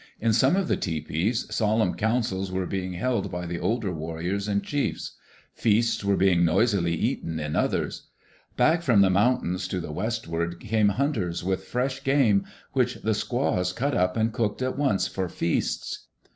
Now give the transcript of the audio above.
In some of the tepees, solemn councils were being held by the older warriors and chiefs. Feasts were being noisily eaten in others. Back from the moun tains to die westward came hunters with fresh game, which the squaws cut up and cooked at once for feasts.